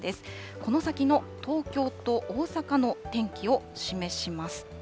この先の東京と大阪の天気を示します。